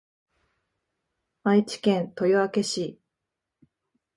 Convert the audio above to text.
愛知県豊明市